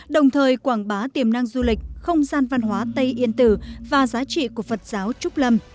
đồng thời quảng bá tiềm năng du lịch không gian văn hóa tây yên tử và giá trị của phật giáo trúc lâm